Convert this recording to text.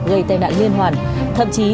gây tai nạn liên hoàn thậm chí